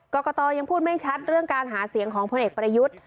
กรกตยังพูดไม่ชัดเรื่องการหาเสียงของพลเอกประยุทธ์